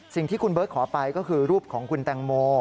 สิ่งที่คุณเบิร์ตขอไปก็คือรูปของคุณแตงโม